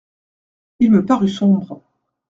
Il me parut sombre.